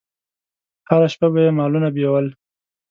هره شپه به یې مالونه بېول.